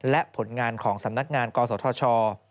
และผลงานของสำนักงานกศธช